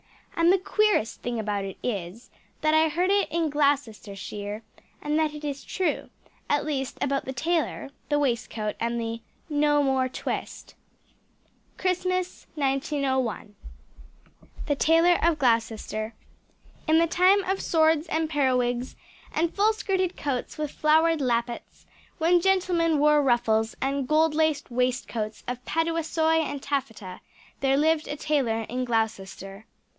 _ _And the queerest thing about it is that I heard it in Gloucestershire, and that it is true at least about the tailor, the waistcoat, and the_ "No more twist!" Christmas, 1901 THE TAILOR OF GLOUCESTER In the time of swords and periwigs and full skirted coats with flowered lappets when gentlemen wore ruffles, and gold laced waistcoats of paduasoy and taffeta there lived a tailor in Gloucester.